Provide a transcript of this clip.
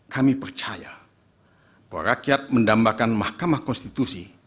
kami percaya bahwa rakyat mendambakan mahkamah konstitusi